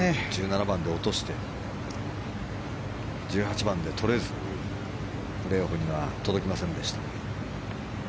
１７番で落として１８番で取れずプレーオフには届きませんでした。